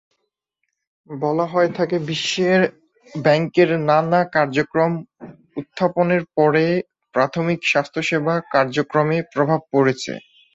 বলা হয়ে থাকে বিশ্ব ব্যাংকের নানা কার্যক্রম উত্থাপনের পরে প্রাথমিক স্বাস্থ্যসেবা কার্যক্রমে প্রভাব পড়েছে।